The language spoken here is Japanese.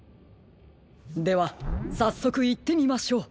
ではさっそくいってみましょう。